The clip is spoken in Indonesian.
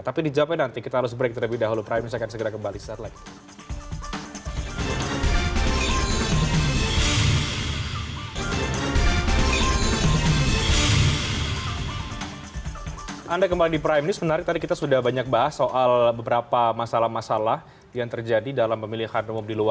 tapi dijawabnya nanti kita harus break terlebih dahulu